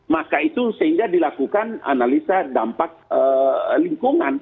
maka itu sehingga dilakukan analisa dampak lingkungan